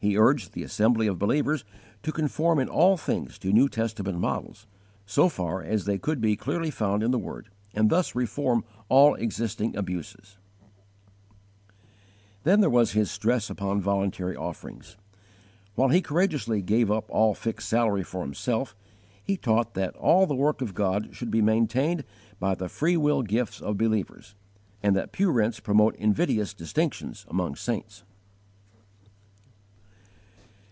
He urged the assembly of believers to conform in all things to New Testament models so far as they could be clearly found in the Word, and thus reform all existing abuses. 18. His stress upon voluntary offerings. While he courageously gave up all fixed salary for himself, he taught that all the work of God should be maintained by the freewill gifts of believers, and that pew rents promote invidious distinctions among saints.